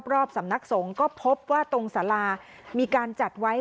รอบสำนักสงฆ์ก็พบว่าตรงสารามีการจัดไว้